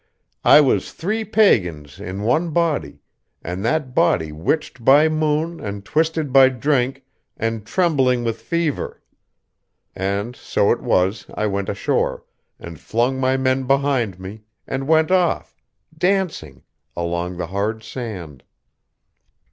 I was three pagans in one body, and that body witched by moon, and twisted by drink, and trembling with fever. And so it was I went ashore, and flung my men behind me, and went off, dancing, along the hard sand.